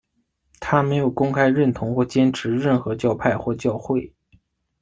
他没有公开认同或坚持任何教派或教会。